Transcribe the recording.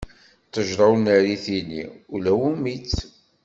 Ttejṛa ur nerri tili, ula wumi-tt.